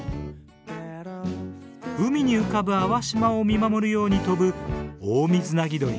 海に浮かぶ粟島を見守るように飛ぶオオミズナギドリ。